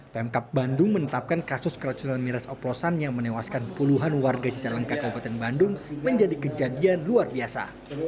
pemkap bandung menetapkan kasus keracunan miras oplosan yang menewaskan puluhan warga cicalengka kabupaten bandung menjadi kejadian luar biasa